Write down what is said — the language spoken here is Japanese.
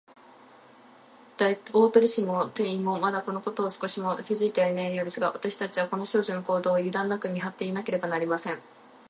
大鳥氏も店員も、まだ、このことを少しも気づいていないようですが、わたしたちは、この少女の行動を、ゆだんなく見はっていなければなりません。